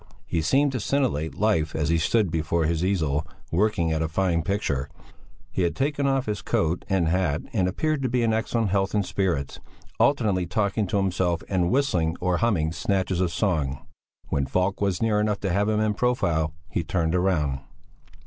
He seemed to scintillate life as he stood before his easel, working at a fine picture. He had taken off his coat and hat and appeared to be in excellent health and spirits; alternately talking to himself and whistling or humming snatches of song. When Falk was near enough to have him in profile he turned round.